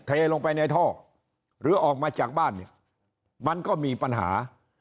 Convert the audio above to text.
เทลงไปในท่อหรือออกมาจากบ้านเนี่ยมันก็มีปัญหา